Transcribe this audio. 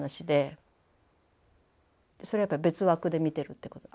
それはやっぱ別枠で見てるってこと。